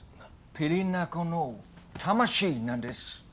ピリナコの魂なんです。